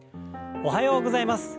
おはようございます。